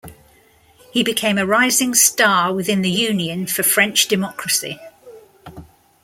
He became a rising star within the Union for French Democracy.